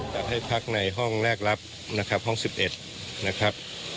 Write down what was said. จะให้พักในห้องแลกรับนะครับห้องสิบเอ็ดนะครับ